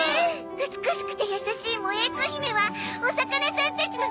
美しくて優しいモエーコ姫はお魚さんたちの人気者なの！